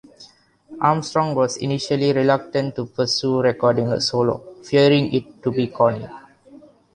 Armstrong was initially reluctant to pursue recording a solo, fearing it to be corny.